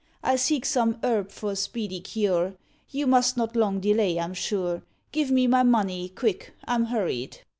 I seek some herb for speedy cure; You must not long delay, I'm sure; Give me my money; quick! I'm hurried."